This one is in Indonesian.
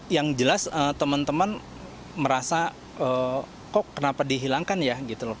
yang jelas teman teman merasa kok kenapa dihilangkan ya gitu loh